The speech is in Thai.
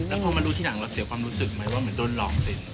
แล้วพอมาดูที่หลังแล้วเสียความรู้สึกไหมว่าเหมือนโดนรองเซ็น